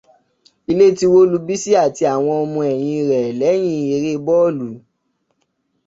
Ilé ti wó lu Bísí àti àwọn ọmọ ẹ̀yìn rẹ̀ lẹ́yìn eré bọ́ọ̀lù.